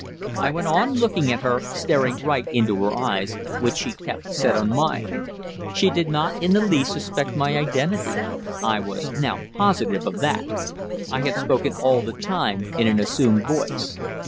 I went on looking at her, staring right into her eyes, which she kept set on mine. She did not in the least suspect my identity I was now positive of that. I had spoken all the time in an assumed voice.